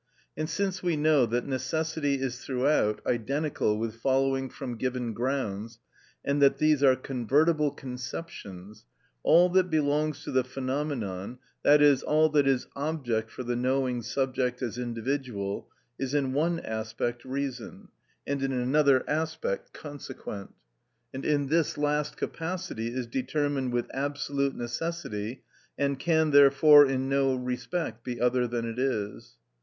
And since we know that necessity is throughout identical with following from given grounds, and that these are convertible conceptions, all that belongs to the phenomenon, i.e., all that is object for the knowing subject as individual, is in one aspect reason, and in another aspect consequent; and in this last capacity is determined with absolute necessity, and can, therefore, in no respect be other than it is.